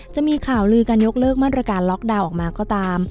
จะมีข่าวลือการยกเลิกมาตรการล็อกดาวน์ออกมาก็ตาม